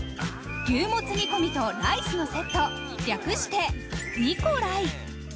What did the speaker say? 牛もつ煮込みとライスのセット、略してニコライ。